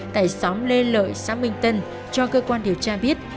tại xóm lê lợi xã minh tân cho cơ quan điều tra biết